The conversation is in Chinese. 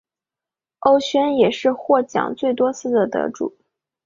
欧萱也是获奖最多次的得主。